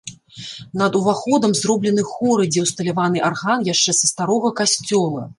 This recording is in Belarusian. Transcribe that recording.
Над уваходам зроблены хоры, дзе ўсталяваны арган яшчэ са старога касцёла.